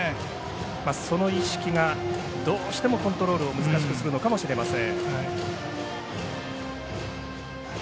その意識がどうしてもコントロールを難しくするのかもしれません。